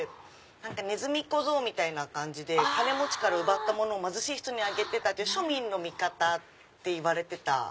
ねずみ小僧みたいな感じで金持ちから奪ったものを貧しい人にあげてた庶民の味方っていわれてた。